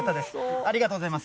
ありがとうございます。